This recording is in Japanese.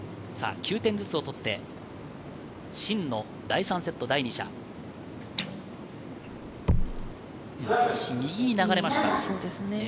９点ずつを取って、シンの第３セット、第２射、少し右に流れました。